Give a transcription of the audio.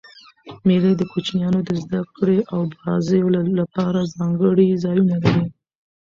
مېلې د کوچنيانو د زدهکړي او بازيو له پاره ځانګړي ځایونه لري.